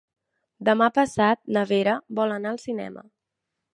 Demà passat na Vera vol anar al cinema.